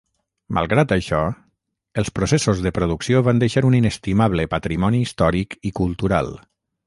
Malgrat això, els processos de producció van deixar un inestimable patrimoni històric i cultural.